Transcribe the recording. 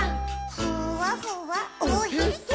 「ふわふわおへそ」